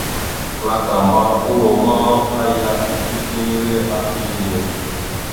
Klakamba urokal ma, aya ikefiŋire afa ezine.